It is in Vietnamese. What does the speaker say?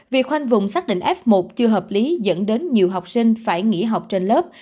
việc khoanh vùng xác định f một chưa hợp lý dẫn đến nhiều học sinh phải nghỉ học trên lớp